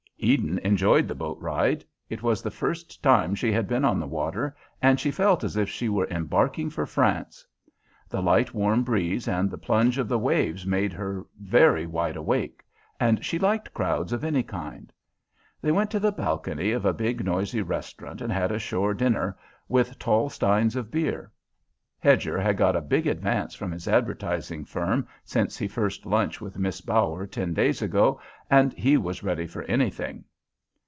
Eden enjoyed the boat ride. It was the first time she had been on the water, and she felt as if she were embarking for France. The light warm breeze and the plunge of the waves made her very wide awake, and she liked crowds of any kind. They went to the balcony of a big, noisy restaurant and had a shore dinner, with tall steins of beer. Hedger had got a big advance from his advertising firm since he first lunched with Miss Bower ten days ago, and he was ready for anything.